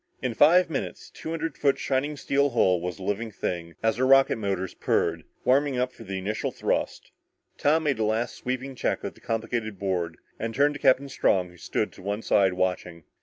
In five minutes the two hundred foot shining steel hull was a living thing as her rocket motors purred, warming up for the initial thrust. Tom made a last sweeping check of the complicated board and turned to Captain Strong who stood to one side watching.